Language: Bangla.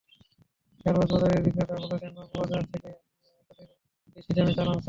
কারওয়ান বাজারের বিক্রেতারা বলছেন, বাবুবাজার থেকে তাঁদের বেশি দামে চাল আনতে হচ্ছে।